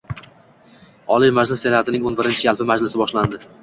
Oliy Majlis Senatining oʻn birinchi yalpi majlisi boshlandi.